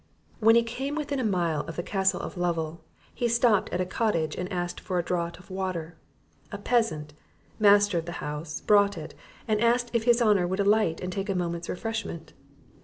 When he came within a mile of the Castle of Lovel, he stopped at a cottage and asked for a draught of water; a peasant, master of the house, brought it, and asked if his honour would alight and take a moment's refreshment.